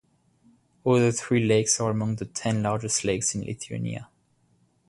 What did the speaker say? Other three lakes are among the ten largest lakes in Lithuania.